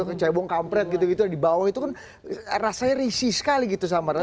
kecabung kampret gitu gitu dibawah itu kan rasanya risih sekali gitu sama